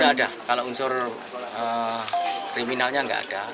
tidak ada kalau unsur kriminalnya nggak ada